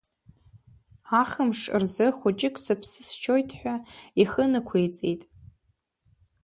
Ахымш рзы хәыҷык сыԥсы сшьоит ҳәа ихы нықәиҵеит.